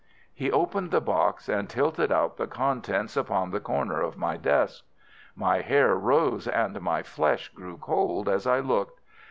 "He opened the box, and tilted out the contents upon the corner of my desk. My hair rose and my flesh grew cold as I looked.